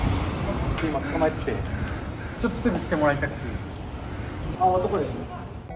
今、捕まえていて、ちょっとすぐ来てもらいたいです。